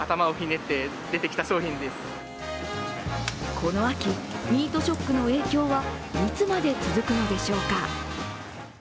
この秋、ミートショックの影響はいつまで続くのでしょうか。